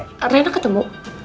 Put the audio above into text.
karena rena ketemu